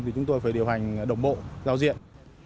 thì chúng tôi phải điều hành đồng bộ giao diện